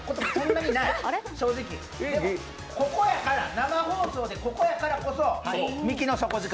でも、ここやから生放送でここやからこそミキの底力。